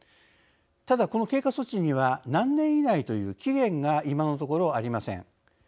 ただこの経過措置には何年以内という期限が今のところありません。